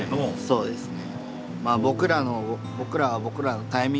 そうですね。